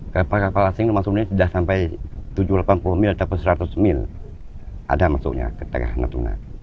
kapal kapal asing masuknya sudah sampai tujuh ratus delapan puluh mil sampai seratus mil ada masuknya